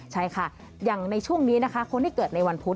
ใช่ค่ะอย่างในช่วงนี้นะคะคนที่เกิดในวันพุธ